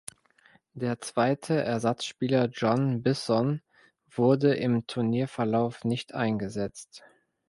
Der zweite Ersatzspieler John Bisson wurde im Turnierverlauf nicht eingesetzt.